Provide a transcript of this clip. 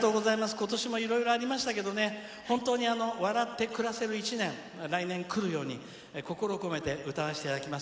今年もいろいろありましたけど本当に笑って暮らせる１年が来年くるように歌わせていただきます。